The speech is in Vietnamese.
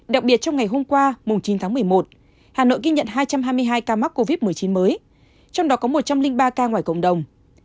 đặc biệt trong ngày hôm qua chín tháng một mươi một hà nội ghi nhận hai trăm hai mươi hai ca mắc covid một mươi chín mới trong đó có một trăm linh ba ca ngoài cộng đồng